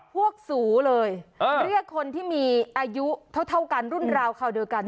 ผู้สูเลยเรียกคนที่มีอายุเท่ากันรุ่นราวคราวเดียวกัน